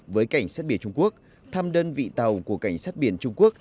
với cảnh sát biển trung quốc thăm đơn vị tàu của cảnh sát biển trung quốc